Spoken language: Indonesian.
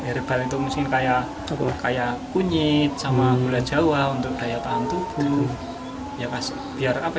sebar itu musim kayak kayak kunyit sama bulan jawa untuk daya tahan tubuh ya kasih biar apa